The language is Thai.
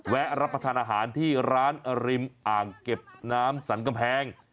รับประทานอาหารที่ร้านริมอ่างเก็บน้ำสรรกำแพง